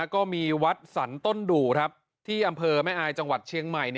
ก็มีวัดสรรต้นดู่ที่อำเภอแม่อายจังหวัดเชียงใหม่